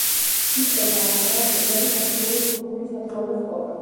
იქვე დაამთავრა პირველი საფეხურის თურქული საშუალო სკოლა.